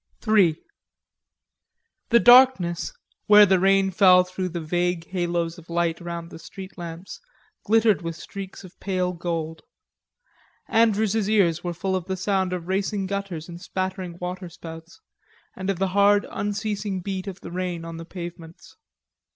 III The darkness, where the rain fell through the vague halos of light round the street lamps, glittered with streaks of pale gold. Andrews's ears were full of the sound of racing gutters and spattering waterspouts, and of the hard unceasing beat of the rain on the pavements.